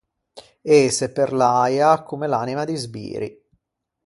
Ëse per l’äia comme l’anima di sbiri.